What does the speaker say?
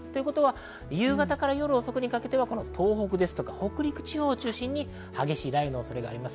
夕方から夜遅くにかけて東北、北陸地方を中心に激しい雷雨の恐れがあります。